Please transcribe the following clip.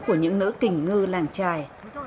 của những nữ kình ngư làng trài